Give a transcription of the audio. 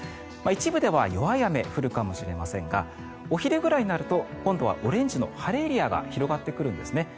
一部では弱い雨が降るかもしれませんがお昼ぐらいになると今度はオレンジの晴れエリアが広がってくるんですね。